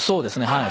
はい。